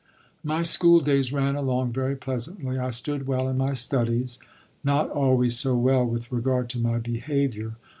My school days ran along very pleasantly. I stood well in my studies, not always so well with regard to my behavior.